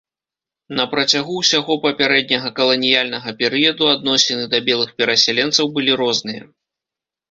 На працягу ўсяго папярэдняга каланіяльнага перыяду адносіны да белых перасяленцаў былі розныя.